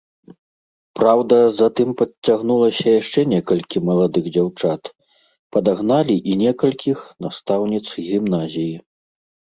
Праўда, затым падцягнулася яшчэ некалькі маладых дзяўчат, падагналі і некалькіх настаўніц гімназіі.